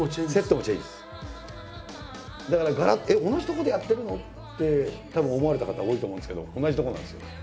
だから「同じとこでやってるの？」ってたぶん思われた方多いと思うんですけど同じとこなんですよ。